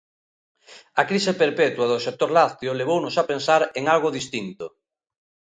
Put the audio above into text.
A crise perpetua do sector lácteo levounos a pensar en algo distinto.